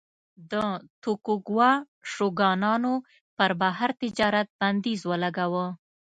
د توکوګاوا شوګانانو پر بهر تجارت بندیز ولګاوه.